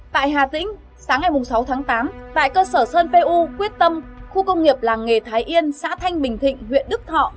tại hà tĩnh sáng ngày sáu tháng tám tại cơ sở sơn pu quyết tâm khu công nghiệp làng nghề thái yên xã thanh bình thịnh huyện đức thọ